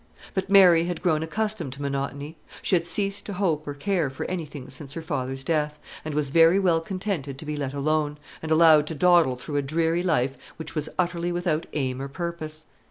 But Mary had grown accustomed to monotony. She had ceased to hope or care for anything since her father's death, and was very well contented to be let alone, and allowed to dawdle through a dreary life which was utterly without aim or purpose.